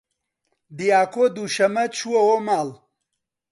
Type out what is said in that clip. دیاکۆ دووشەممە چووەوە ماڵ.